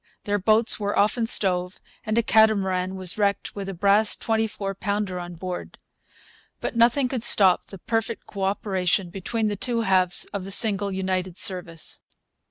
Their boats were often stove, and a catamaran was wrecked with a brass twenty four pounder on board. But nothing could stop the perfect co operation between the two halves of the single United Service.